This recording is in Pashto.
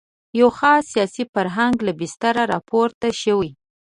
د یوه خاص سیاسي فرهنګ له بستره راپورته شوې.